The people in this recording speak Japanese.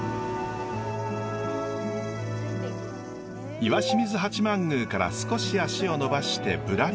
石清水八幡宮から少し足をのばしてぶらり散策。